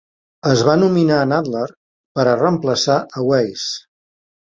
Es va nominar a Nadler per a reemplaçar a Weiss.